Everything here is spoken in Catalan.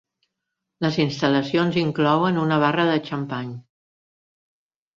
Les instal·lacions inclouen una barra de xampany.